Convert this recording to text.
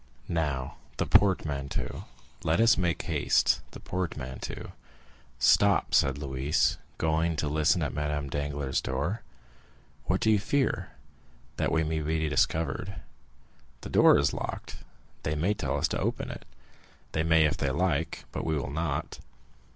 Now, the portmanteau—let us make haste—the portmanteau!" "Stop!" said Louise, going to listen at Madame Danglars' door. "What do you fear?" "That we may be discovered." "The door is locked." "They may tell us to open it." "They may if they like, but we will not."